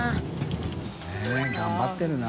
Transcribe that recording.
佑頑張ってるな。